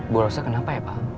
bu rossa kenapa ya pak